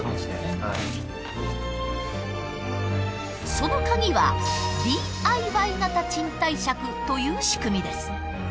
そのカギはＤＩＹ型賃貸借という仕組みです。